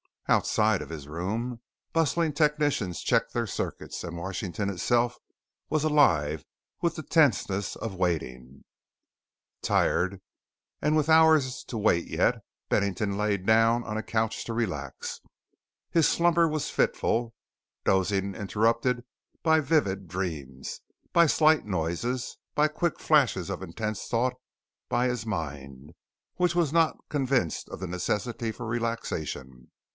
Outside of his room, bustling technicians checked their circuits and Washington itself was alive with the tenseness of waiting. Tired and with hours to wait yet Bennington laid down on a couch to relax. His slumber was fitful, dozing interrupted by vivid dreams, by slight noises, by quick flashes of intense thought by his mind, which was not convinced of the necessity for relaxation.